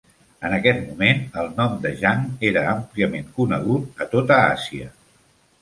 En aquest moment, el nom de Jang era àmpliament conegut a tota Àsia.